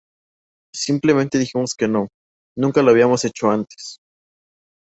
Simplemente dijimos que no, nunca lo habíamos hecho antes.